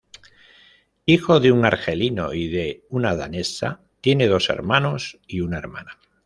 Hijo de un argelino y de una danesa, tiene dos hermanos y una hermana.